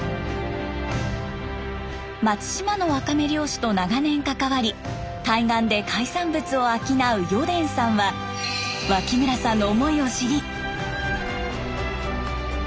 松島のワカメ漁師と長年関わり対岸で海産物を商う余傳さんは脇村さんの思いを知り。